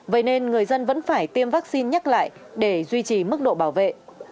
vậy nên người dân vẫn phải tiêm vaccine nhắc lại để duy trì mức độ bảo vệ